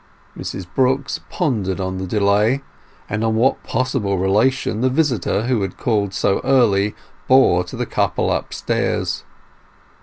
Mrs Brooks pondered on the delay, and on what probable relation the visitor who had called so early bore to the couple upstairs.